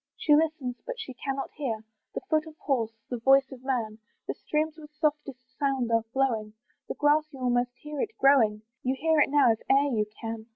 She listens, but she cannot hear The foot of horse, the voice of man; The streams with softest sound are flowing, The grass you almost hear it growing, You hear it now if e'er you can.